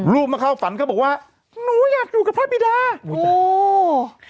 มาเข้าฝันเขาบอกว่าหนูอยากอยู่กับพระบิดาโอ้